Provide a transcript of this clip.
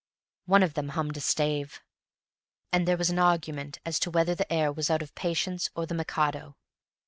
One of them hummed a stave, and there was an argument as to whether the air was out of "Patience" or the "Mikado."